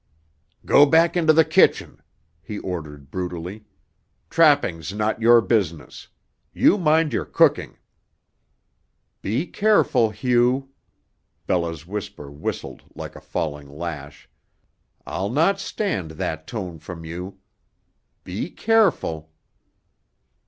"Go back into the kitchen," he ordered brutally; "trapping's not your business. You mind your cooking." "Be careful, Hugh!" Bella's whisper whistled like a falling lash, "I'll not stand that tone from you. Be careful!"